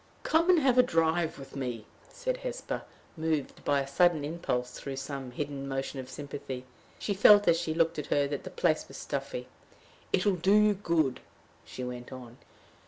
"Come and have a drive with me," said Hesper, moved by a sudden impulse: through some hidden motion of sympathy, she felt, as she looked at her, that the place was stuffy. "It will do you good," she went on.